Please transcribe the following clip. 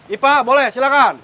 ipa boleh silakan